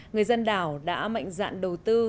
người dân đảo đã mạnh dạn đầu tư